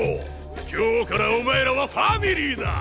今日からお前らはファミリーだ！